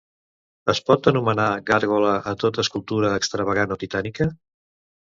Es pot anomenar gàrgola a tota escultura extravagant o titànica?